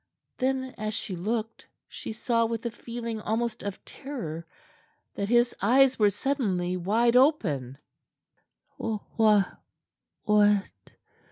Then, as she looked, she saw with a feeling almost of terror that his eyes were suddenly wide open. "Wha what?"